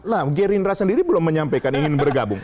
lah gerindra sendiri belum menyampaikan ingin bergabung